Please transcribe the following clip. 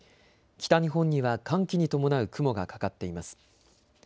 北日本には寒気に伴う雲がかかっています。